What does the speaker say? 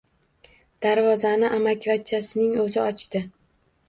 Darvozani amakivachchasining oʻzi ochdi.